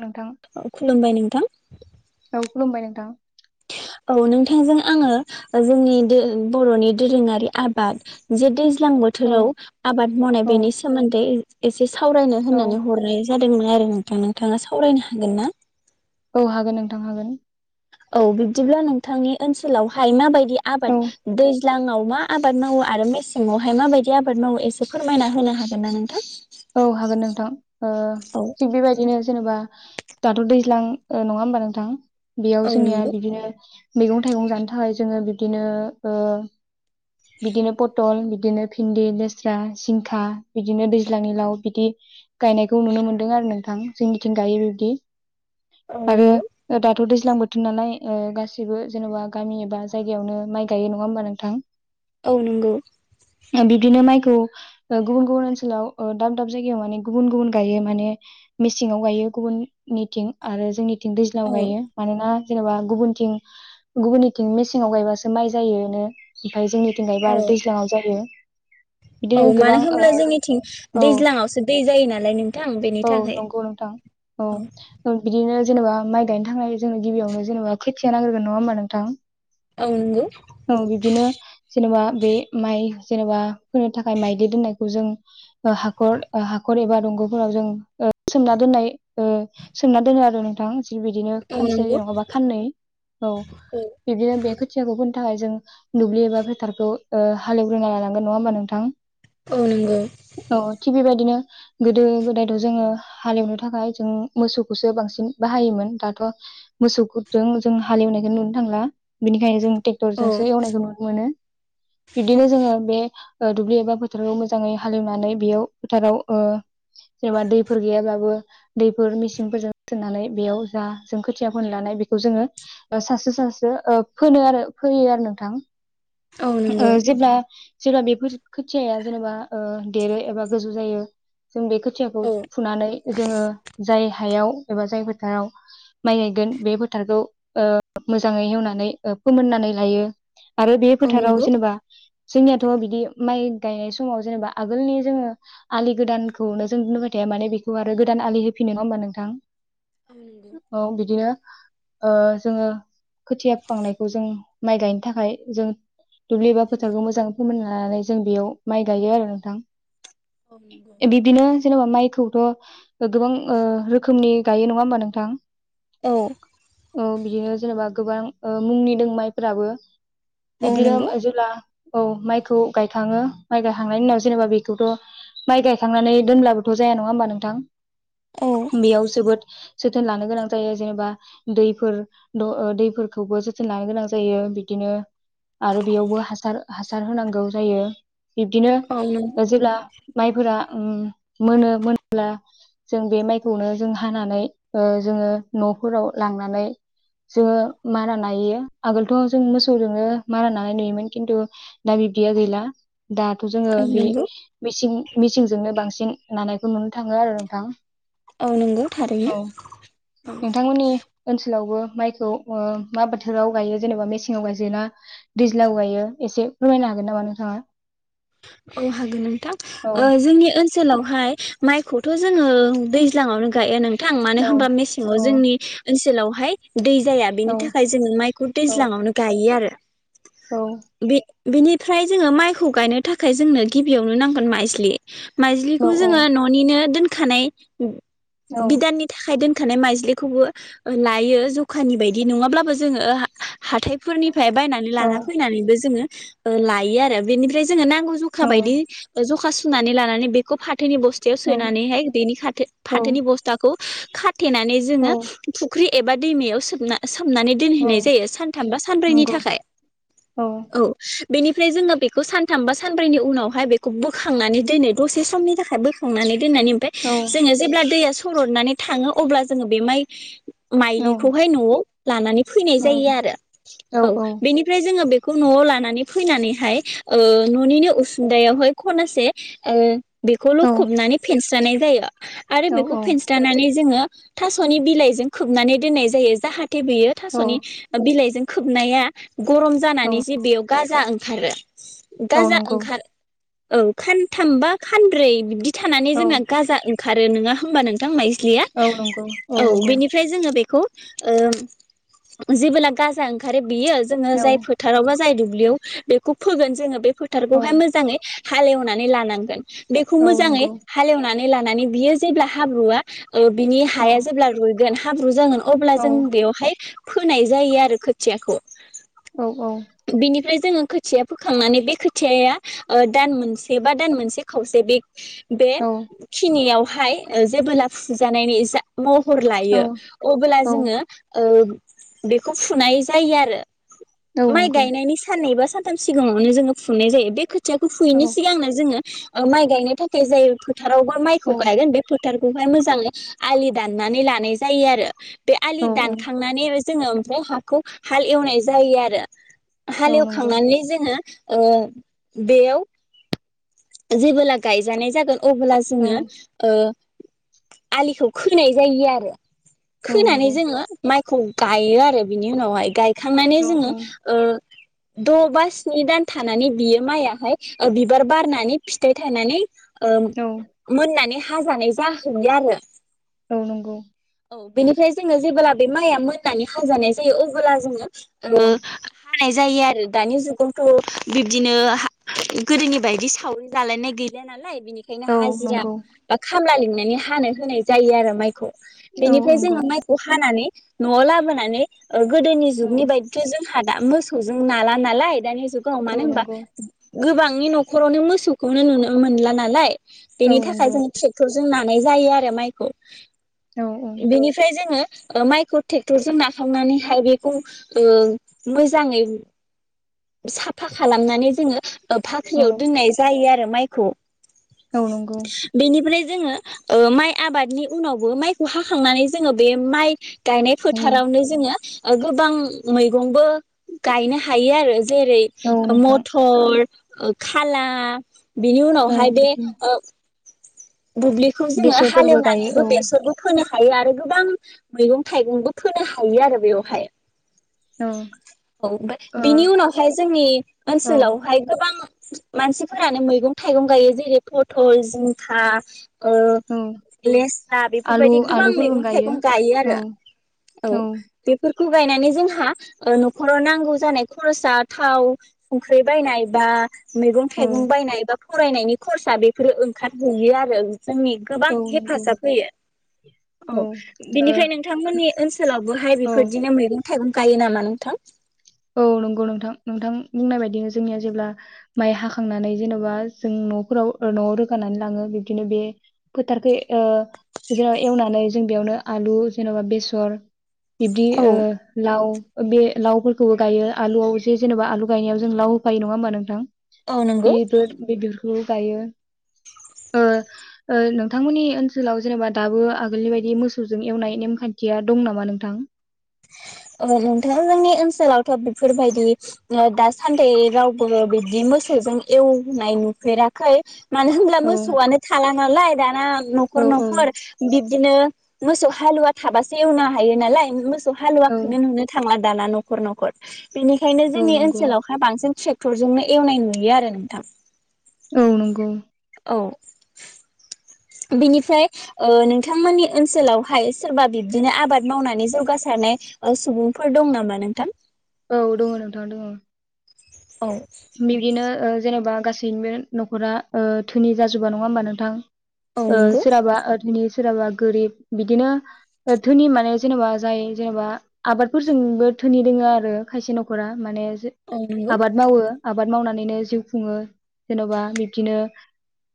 नोंथां खुलुमबाय नोंथां। औ खुलुमबाय नोंथां औ नोंथांजों आङो जोंनि दो बरनि दोरोङारि आबाद जे दै ज्लां औ बोथोराव आबाद मावनाय औ बेनि सोमोन्दै एसे सावरायनो औ होननानै हरनाय जादों। दोंमोन आरो नोंथां नोंथाङा सावरायनो हागोन ना? औ हागोन नोंथां हागोन। औ बिब्दिब्ला नोंथांनि ओनसोलावहाय माबाय दि औ आबाद दै ज्लांङाव मा आबाद मावो आरो मेसेंआवहाय माबायदि आबाद मावो एसे फोरमायना होनो हागोन ना नोंथां? औ हागोन नोंथां ओ औ थिग बेबायदिनो जेन'बा दाथ' दैज्लां ओ नङा हबा नोंथां? बेयाव औ जोंनिया नंगौ बिदिनो मैगं थाइगं जानो थाखाय जोङो बिब्दिनो ओ बिदिनो पटल बि दिनो भिन्दि, लेस्रा, सिंखा बिदिनो दै ज्लांनि लाव बिदि गायनायखौ नुनो मोन्दों आरो नोंथां जोंनिथिं गायो बेबिदि औ आरो नंगौ दा थ' दैज्लां बोथोर नालाय ओ गासिबो जेन'बा गामि एबा जायगायावनो माइ गाइयो नङा होमबा नोंथां? औ नोंगौ। ओ बिब्दिनो माइखौ ओ गुबुन गुबुन ओनसोलाव ओ दाब दाब जायगायाव माने गुबुन गुबुन गायो माने मेसिङाव गायो गुबुननिथिं आरो जोंनि थिं दैज्लाङाव गायो औ मानोना जेनोबा गुबुनथिं गुबुननिथिं मेसेङाव गायबासो माइ जायोनो। ओमफ्राय जोंनिथिं औ गायबा आरो दैज्लाङाव जायो। औ बिदिनो मानो गोबां होनब्ला ओ जोंनिथिं औ दैज्लाङावसो दै जायोना? लाय नों औ नंगौ नोंथां औ बिदिनो जेनोबा माइ गायनो थांनाय जोंनो गिबियावनो जेनोबा खोथिया नांग्रोगोन नङा होमबा नोंथां? औ नंगौ औ बिब्दिनो जेनोबा बे माइ जेनोबा फोनो थाखाय माइदि दोननायखौ जों हाखर हाखर एबा दंग'फोराव जों ओ सोमना दोननाय ओ सोमना दोनो आरो नोंथां। थिग बिदिनो औ खानसे नंगौ नङाबा खाननै औ बिबदिनो बे फोरनि थाखाय जों दुब्लि एबा फोथारखौ ओ हालेवग्रोना लानांगोन नङा होमबा नोंथां? औ नंगौ औ थिग बेबायदिनो गोदो गोदायथ' जोङो हालेवनो थाखाय जों मोसौखौसो बांसिन बाहायोमोन दाथ' मोसौफोरजों जों हालेवनायखौनो नुनो थांला बिनि खाय जों औ ट्रेक्टरजोंसो एवनायखौ नुनो मोनो। बिदिनो जोङो बे ओ दुब्लि एबा फोथाराव मोजाङै हालेवनानै बेयाव फोथाराव ओ जेनोबा दैफोर गैयाब्लाबो दैफोर मेसिनफोरजों थोनानै लायो बेयाव जा जों खोथिया फोनो लानाय बेखौ जोङो सासे सासे ओ फोनो आरो फोयो आरो नोंथां। औ नंगौ ओ जेब्ला जेब्ला बेफोर खोथियाया जेनोबा ओ देरो एबा गोजौ जायो जों बे खोथियाखौ औ फुनानै जोङो जाय हायाव एबा जाय फोथाराव माइ गायगोन बे फोथारखौ ओ मोजाङै एवनानै ओ फोमोननानै लायो। आरो बे औ फोथाराव नंगौ जेनेबा, जोंनियाथ' बिदि माइ गायनाय समाव जेनेबा आगोलनि जोङो आलि गोदानखौनो जों दुबबाय थाया माने बेखौ आरो गोदान आलि होफिनो नङा होनोमबा नोंथां, औ नंगौ औ बिदिनो ओ जोङो खोथिया फुखांनाय, खौ जों माइ गायनो थाखाय जों दुब्लि एबा फोथारखौ मोजाङै फोमोनना लानानै जों बेयाव माइ गायो आरो नोंथां, औ नंगौ बिदिनो जेनेबा माइखौथ' गोबां ओ रोखोमनि गायो नङा होमबा नोंथां, औ औ बिदिनो जेनेबा गोबां ओ मुंनिदों माइफ्राबो औ नंगौ बिबदिनो जेब्ला औ माइखौ गायखाङो माइ गायखांनायनि उनाव जेनेबा बेखौथ' माइ गायखांनानै दोनब्लाबोथ' जाया नङा होमबा नोंथां, औ बेयाव जोबोद, जोथोन लानो गोनां जायो जेनेबा दैफोर दैफोरखौबो जोथोन लानो गोनां जायो बिदिनो आरो बेयावबो हासार हासार होनांगौ जायो बिब्दिनो औ जेब्ला माइफोरा मोनो मोन्ला जों बे माइखौनो जों हानानै जोङो न'फोराव लांनानै जोङो मारा ना यो आगोलथ' जों मोसौजोंनो मारानानाय नुयोमोन खिन्थु दा बिब्दिया गैला दाथ' जोङो बे नंगौ मेसिं मिसिंजोंनो बांसिन नानायखौ नुनो थाङो आरो नोंथां औ नंगौ थारैनो औ औ नोंथांमोननि ओनसोल सोलावबो माइखौ मा बोथोराव गायो जेनेबा मेसेंआव गायजोना दैज्लाव गायो एसे फोरमायनो हागोन नामा नोंथाङा औ हागोन नोंथां औ जोंनि ओनसो ओनसोलावहाय माइखौथ' जोङो दैज्लाङावनो गायो नों थां मानो औ होनोमबा मेसेंआव औ जोंनि लावहाय दै जाया औ बेनि थाखाय जोङो माइखौ दैज्लाङावनो गायो आरो औ बे बेनिफ्राय जोङो माइखौ गायनो थाखाय जोंनो गिबियावनो नांगोन माइज्लि औ माइज्लिखौ जोङो न'निनो दोन खानाय औ बिदाननि थाखाय दोन खानाय माइज्लिखौबो लायो ज'खानि बायदि नङाब्लाबो जोङो हाथायफोरनिफ्राय बायनानै लाना फैनानैबो जोङो लायो आरो बेनिफ्राय जोंनो नांगौ जखा बायदि जखा सु सुनानै लानानै बेखौ फा फाथोनि बस्थायाव सोनानैहाय बेनि खाथो औ फाथोनि बस्थाखौ खाथेनानै औ जोङो फुख्रि एबा दैमायाव सोबना सोम नानै दोनहैनाय औ जायो सानथाम बा सानब्रैनि नंगौ थाखाय औ बेनिफ्राय जोङो बेखौ सान थामबा सानब्रैनि उनावहाय बेखौ बोखांनानै दिनै दसे समनि थाखाय बोखांनानै दोननानै ओमफाय औ जोंङो जेब्ला दैया थरनानै थाङो अब्ला जोङो बे माइ औ माइलिखौहाय न'आव लानानै फैनाय औ जायो आरो औ बेनिफ्राय जोङो बे खौ न'आव लानानै फैनानैहाय ओ न'निनो उसुंदायावहाय खनासे ओ बेखौल' औ खबनानै फेनस सानाय जायो। आरो औ बेखौ फेनस्लानानै जोङो थास'नि बिलाइजों खोबनानै दोननाय जायो जाहा थे बियो औ थास'नि बिलाइजों खोबनाया गरम औ जानानैसजे बेयाव गाजा ओं खारो। औ गाजा नंगौ ओंखार औ खानथामबा खानब्रै बिदि थानानै औ जोंना गाजा ओं खारो नोङा होमबा नोंथां मायज लिया औ नंगौ औ नंगौ बेनिफ्राय जोङो बेखौ ओ जेबोला गाजा ओंखारो बियो जोङो औ जाय फोथारावबा जाय दुब्लियाव बेखौ फोगोन जोङो बे औ फोथारखौहाय मोजाङै हालेवनानै लानांगोन। बेखौ औ मोजाङै नंगौ हालेवनानै लानानै बियो जेब्ला हाब्रुवा बिनि औ हाया जेब्ला रुय गोन हाब्रु जागोन। अब्ला औ जों बेवहाय फोनाय जायो आरो खोथियाखौ। औ-औ। बिनिफ्राय जोङो खो थिया फोखांनानै बे खोथियाया दान मोनसे बा दान मोनसे खावसे बे बे औ खिनियाव हाय ओ जेबोला फु जानायनि जा महर लायो अबला औ जोङो ओ बेखौ फुनाय जायो आरो। औ माइ नंगौ औ गायनायनि साननै बा सानथाम सिगाङावनो जोङो फुनाय जायो बे खोथिया। खोथियाखौ फुयैनि सिगांनो जोङो। ओ माइ गायनो थाखाय जोंफोर फोथारावबो औ माइखौ गायगोन बे फोथारखौहाय मोजाङै आलि दाननानै लानाय जायो आरो। बे औ आलि नंगौ औ दानखांनानै जोङो ओमफ्राय हाखौ हाल एवनाय जायो आरो हाल नंगौ एवखांनानै ओ बेयाव जेबोला गायजानाय जागोन। अब्ला औ जोङो। आलिखौ खोनाय जायो आरो। खोनानै जोङो माइ खौ‌ गायो आरो बिनि उनावहाय गाय खांनानै जोङो ओ। द बा स्नि दान थानानै बियो माइयाहाय बिबार बारनानै फिथाइ थानानै ओ मोननानै हाजानाय जाहैयो आरो औ नंगौ। औ बेनिफ्राय जोङो जेबोब्ला बे माइआ मोननानै हजानाय जायो अबोला जोङो। ओ नंगौ हाजानाय जायो आरो दानि जुग गावथ' बिब्दिनो गोदोनि बायदि सावरि जालायनाय गैला नालाय बिनिखायनो औ हाजिरा नंगौ बा खामला लिंनानै हानो होनाय जायो आरो माइखौ। बेनिफ्राय जोंहा माइखौ हानानै न'आव लाबोनानै। ओ गोदोनि जुगनि बायदिथ जों हादा मोसौजों नाला नालाय दानिया जुगाव औ नंगौ औ नंगौ मानोे होमबा औ गोबांनि न'खरावनो मोसौखौनो नुनो मोनला नालाय बेनि थाखाय जों ट्रेक्टर जों ना नाय जायो आरो माइखौ इदिनिफ्राय जोङो ओ माइखौ ट्रेक्टरजों नाखांनानैहाय बेखौ ओ मोजाङै साफा खालामनानै जोङो ओ भाख्रियाव दोननाय जायो आरो माइखौ औ नंगौ बेनिफ्राय जोङो ओ माइ आबादनि उनावबो माइ [inaudible] [unintelligible] गायनाय औ फोथारावनो जोङो आ गोदान जेरै औ ओ नोंथां मथर [unintelligible] [inaudible] बिनि औ उनावहाय बिदिनो बुब्लिखौ जों गायो बेसरफोरबो औ आरो गोबां मैगं थाइगंबो फोनो हायो आरो बेयावहाय औ औ ओ ओमफ्राय बिनि उन औ मानसिफोरानो मैगं थाइगं गायो जेरै पथल जिंखा ओ औ लेस्रा आलु बेफोरबायदि गोबां आलुफोरबो मैगं थाइगं गायो औ आरो औ बेफोर खौ गायनानै जोंहा ओ न नखराव नांगौ जानाय खरसा थाव संख्रि बायनाय बा मैगं औ थाइगं बायनाय बा फरायनायनि खरसा बेफोरो ओंखारहैयो आरो जोंनि गोबां औ नंगौ हेफाजाब होयो औ बिनिफ्राय नोंथांमोननि ओनसोलावबोहाय ओ औ बेफोरदिनो मैगं थाइगं गायो नामा नोंथां [inaudible] औ नं बिब्दि औ ओ बे लावफोर खौबो गायो आलुआव जे जेनेबा आलु गायनायाव नंगौ बेदर बेदर औ गायो ओ ओ नोंथांमोननि ओनसोलाव जेनेबा दाबो आगोलनि बायदि मोसौजों ओ नोंथाङा जोंनि ओनसोलावथ बेफोरबायदि ओ दासान्दि रावबो बिदि मोसौजों एवनाय नुफेराखै मानो होनब्ला औ मोसौआनो थाला नालाय दाना औ नखर औ नखर बि दिनो मोसौ हालुवा थाबासो एवनो हायो नालाय मो सौ औ हालुवखौनो नुनो थाङा दाना नखर नखर। बेनिखायनो औ जोंनि नंगौ ओनसोलावहाय बांसिन ट्रेक टरजोंनो एवनाय नुयो आरो नोंथां। औ नंगौ। औ। बिनिफ्राय ओ नोंथांमोननि ओनसोलावहाय सोरबा बिब्दिनो आबाद मावनानै जौगासारनाय सुबुंफोर दं नामा नोंथां? औ दङ नोंथां दङ औ। बिब्दिनो ओ जेन'बा गासैनिबो नखरा ओ धोनि जाजोबा नङा होमबा नोंथां। औ ओ नंगौ सोरहाबा ओ‌ धोनि सोरहाबा गोरिब बिदिनो धोनि माने जेनेबा जाय जेनेबा आबादफोरजोंबो धोनि रोङो आरो खायसे नखरा माने औ नंगौ आबाद मावो। आबाद मावनानैनो जिउ खुङो जेन'बा बिब्दिनो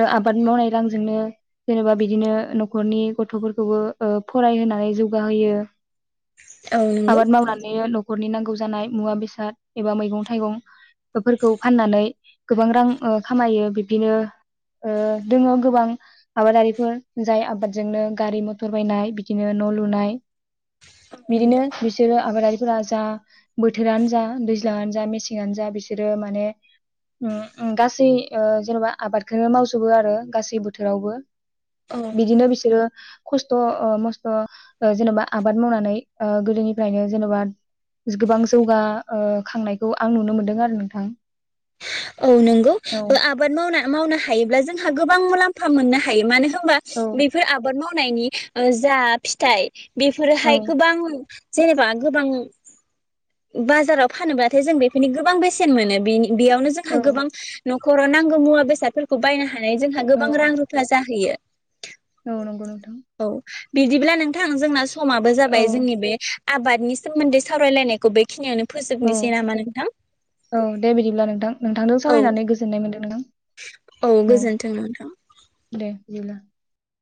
ओ आबाद मावनाय रांजोंनो जेन'बा बिदिनो नखरनि गथफोरखौबो ओ फरायहोनानै जौगाहोयो। औ नंगौ आाबाद मावनानै न खरनि नांगौ जानाय मुवा बेसाद एबा मैगं थाइगं बेफोरखौ फाननानै गोबां रां ओ खामायो बिब्दिनो ओ दोङो गोबां आबादारिफोर जाय आबादजोंनो गारि मटर बायनाय बिदिनो न लुनाय। बिदिनो बिसोरो आबादारिफोरा जा बोथोरानो जा दैज्लाङानो जा मेसेङानो जा बि ।सोरो माने उम उम गासै जेनेबा आबादखौनो मावजोबो आरो गासै बोथोरावबो औ बिदिनो बिसोरो खस्थ' ओ मस्थ' ओ जेनेबा आबाद मावनानै ओ गोदोनिफ्रायनो जेनेबा गोबां जौगा ओ खांनायखौ आं नुनो मोनदों आरो थां। औ नोंगौ आबाद मावना मावनो हायोब्ला जोंहा गो बां मुलाम्फा मोननो हायो। मानो होमबा औ बेफोर आबाद माव नायनि ओ जा फिथाइ औ बेफोरोहाय गोबां जेनेबा गोबां बाजाराव फानोबाथाय जों बेफोरनि गोबां बेसेन मोनो बेनि बेयावनो औ जोंहा गोबां न खराव नांगौ मुवा बेसादफोरखौ बायनो हायो जोंहा औ गोबां रां रुफा जाहैयो। औ नंगौ नोंथां औ बिदिब्ला नोंथां जोंना समाबो औ जाबाय जोंनि बे आबादनि सोमोन्दै सावरायलायनाय खौ बेखिनियावनो औ फोजोबनोसै नामा नोंथां औ दे बिदिब्ला नोंथां नोंथांजों औ सावरायनानै गोजोननाय मोनदों नोंथां औ गोजोन्थों नोंथां दे बिदिब्ला